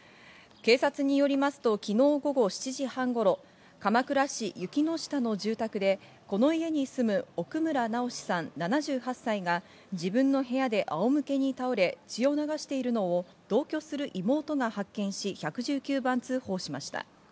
警察によりますと昨日午後７時半頃、鎌倉市雪ノ下の住宅でこの家に住む奥村直司さん、７８歳が自分の部屋で仰向けに倒れ血を流しているのを同居する妹が発見し、１１９番通報しました。